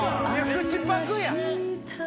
口パクや！